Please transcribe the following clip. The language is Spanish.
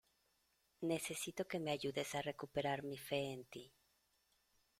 necesito que me ayudes a recuperar mi fe en ti.